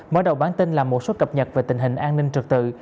mở đầu bản tin là một số cập nhật về tình hình an ninh trực tự